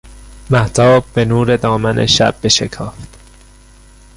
مهتاب به نور دامن شب بشکافت